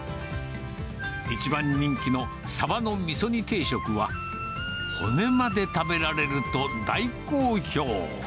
一番人気のサバのみそ煮定食は、骨まで食べられると大好評。